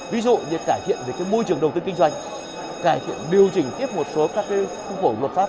ví dụ như cải thiện môi trường đầu tư kinh doanh cải thiện điều chỉnh tiếp một số các khu vực luật pháp